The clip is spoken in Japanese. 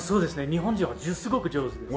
日本人はすごく上手です。